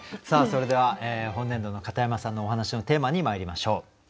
さあそれでは本年度の片山さんのお話のテーマにまいりましょう。